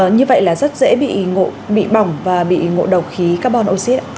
như vậy là rất dễ bị bỏng và bị ngộ đầu khí carbon oxy